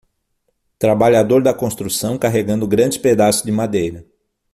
Trabalhador da Construção carregando grandes pedaços de madeira